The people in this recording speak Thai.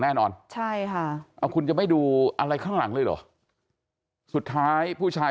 แน่นอนใช่ค่ะเอาคุณจะไม่ดูอะไรข้างหลังเลยเหรอสุดท้ายผู้ชาย